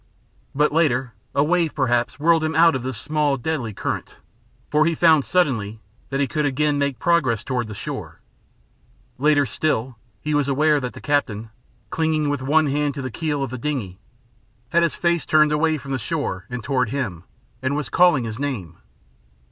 But later a wave perhaps whirled him out of this small, deadly current, for he found suddenly that he could again make progress toward the shore. Later still, he was aware that the captain, clinging with one hand to the keel of the dingey, had his face turned away from the shore and toward him, and was calling his name.